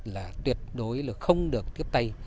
là tuyệt đối là không được tiếp tay